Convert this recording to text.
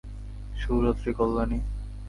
শুভ রাত্রি কল্যাণী।